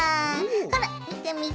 ほらみてみて！